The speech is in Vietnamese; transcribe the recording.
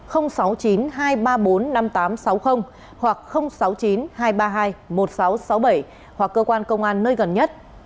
hoặc sáu mươi chín hai trăm ba mươi hai một nghìn sáu trăm sáu mươi bảy hoặc cơ quan công an nơi gần nhất